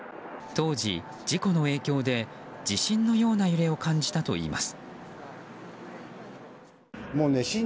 当時、事故の影響で地震のような揺れを感じたといいます。